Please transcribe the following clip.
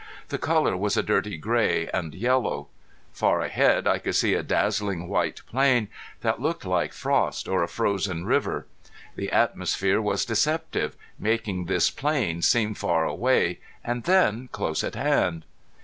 The color was a dirty gray and yellow. Far ahead I could see a dazzling white plain that looked like frost or a frozen river. The atmosphere was deceptive, making this plain seem far away and then close at hand.